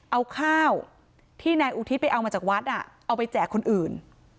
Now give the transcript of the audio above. เอาข้าวที่นายอุทิศไปเอามาจากวัดเอาไปแจกคนอื่น